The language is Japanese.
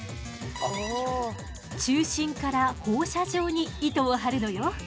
中心から放射状に糸を張るのよ。